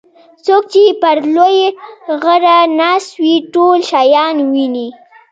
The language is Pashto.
څوک چې پر لوی غره ناست وي ټول شیان ویني.